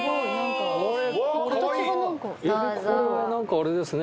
かわいいこれは何かあれですね